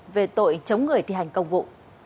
về tội chống người thi hành công vụ